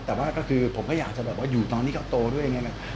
แต่ว่าก็คือผมก็อยากจะแบบว่าอยู่ตอนนี้เขาโตด้วยอย่างเนี่ย